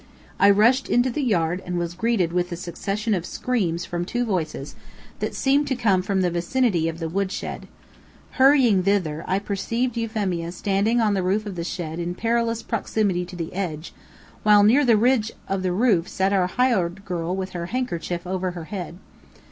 I rushed into the yard and was greeted with a succession of screams from two voices, that seemed to come from the vicinity of the wood shed. Hurrying thither, I perceived Euphemia standing on the roof of the shed in perilous proximity to the edge, while near the ridge of the roof sat our hired girl with her handkerchief over her head.